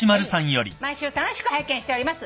「毎週楽しく拝見しております」